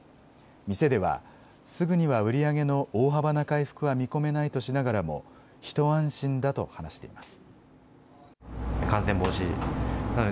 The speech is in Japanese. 店では、すぐには売り上げの大幅な回復は見込めないとしながらも、一安心だと話しています。